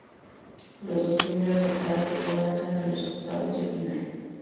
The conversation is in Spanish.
Los dos primeros de cada grupo avanzan a los "octavos de final".